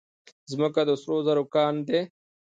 ځمکه د سرو زرو کان دی.